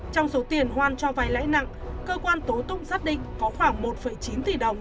trong số tiền hoan cho vay lãi nặng cơ quan tố tụng xác định có khoảng một chín tỷ đồng